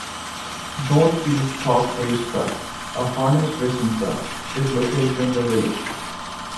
Northfield Park Race Track, a harness racing race track, is located in the village.